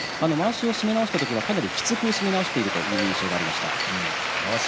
まわしは、かなりきつく締め直しているという印象がありました。